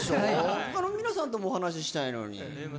他の皆さんともお話ししたいのに。